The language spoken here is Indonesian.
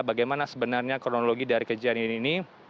bagaimana sebenarnya kronologi dari kejadian ini